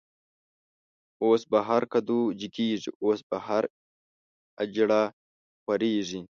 اوس په هر کدو جګيږی، اوس په هر” اجړا” خوريږی